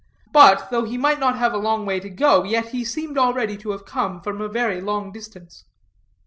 But, though he might not have a long way to go, yet he seemed already to have come from a very long distance.